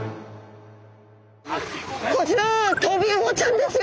こちらトビウオちゃんですよ。